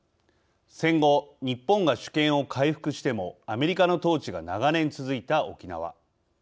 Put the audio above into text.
戦後、日本が主権を回復してもアメリカの統治が長年続いた沖縄。